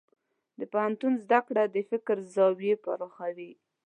د پوهنتون زده کړه د فکر زاویې پراخوي.